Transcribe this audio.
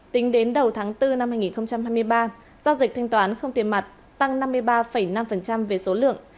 tính đến đầu tháng bốn năm hai nghìn hai mươi ba giao dịch thanh toán không tiền mặt tăng năm mươi ba năm về số lượng